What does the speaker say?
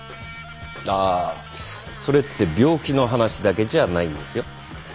ああそれって病気の話だけじゃないんですよ。